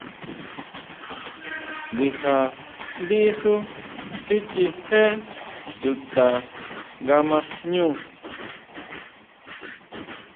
Ndija ndí xú sichijé chuta nga ma jñú.